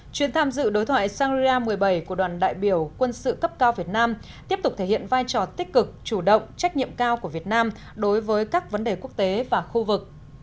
chuyến tham dự đối thoại shangria một mươi bảy của đoàn đại biểu quân sự cấp cao việt nam tiếp tục thể hiện vai trò tích cực chủ động trách nhiệm cao của việt nam đối với các vấn đề quốc tế và khu vực